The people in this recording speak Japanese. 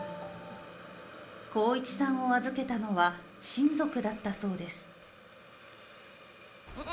航一さんを預けたのは親族だったそうです。